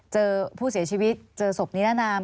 เจอผู้เสียชีวิตเจอศพนิรนาม